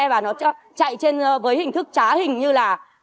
và nó chạy với hình thức trá hình như là